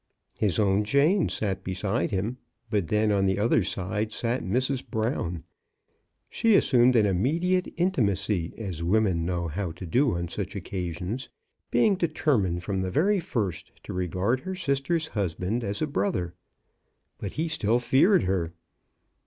His own Jane sat beside him, but then on the other side sat Mrs. Brown. She assumed an immediate intimacy — as women know how to do on such occasions — being de termined from the very first to regard her sis ter's husband as a brother ; but he still feared her.